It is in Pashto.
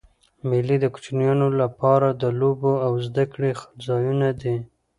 مېلې د کوچنيانو له پاره د لوبو او زدهکړي ځایونه دي.